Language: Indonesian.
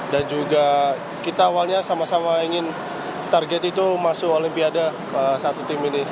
dan juga kita awalnya sama sama ingin target itu masuk olimpiade satu tim ini